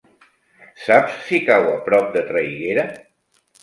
Saps si cau a prop de Traiguera?